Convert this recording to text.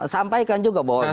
sampaikan juga bahwa jokowi